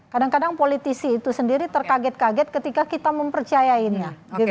kadang kadang politisi itu sendiri terkaget kaget ketika kita mempercayainya